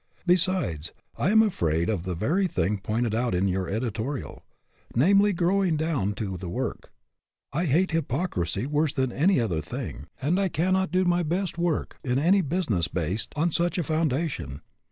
Besides, I am afraid of the very thing pointed out in your editorial ; namely, growing down to the work. I hate hypocrisy worse than any other thing, and I cannot do my best work in any business based 119 120 HAS YOUR VOCATION APPROVAL on such a foundation.